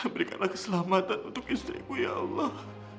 berikanlah keselamatan untuk istriku ya allah